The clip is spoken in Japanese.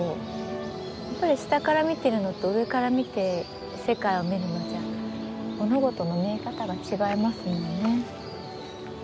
やっぱり下から見てるのと上から見て世界を見るのじゃ物事の見え方が違いますもんね。